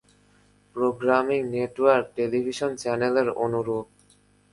Programming network television চ্যানেলের অনুরূপ।